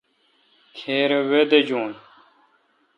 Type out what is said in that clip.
کھیرے وے دیجون۔